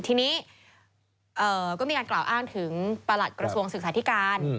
ทีนี้ก็มีการกล่าวอ้างถึงประหลัดกระทรวงศึกษาธิการ